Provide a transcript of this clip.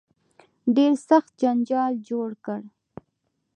ډېر سخت جنجال جوړ کړ.